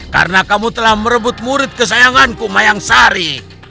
karena kamu telah merebut murid kesayanganku mayang sari